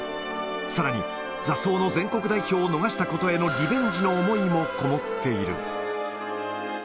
さらに、座奏の全国代表を逃したことへのリベンジの思いもこもっている。